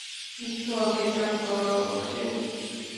একটু অপেক্ষা কর, ওকে?